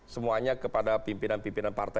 semuanya kepada pimpinan pimpinan partai